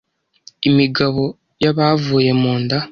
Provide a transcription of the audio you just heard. Imigabo yabavuye mu nda